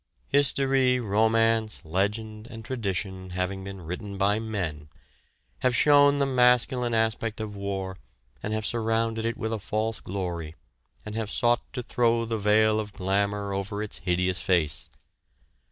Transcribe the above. History, romance, legend and tradition having been written by men, have shown the masculine aspect of war and have surrounded it with a false glory and have sought to throw the veil of glamour over its hideous face.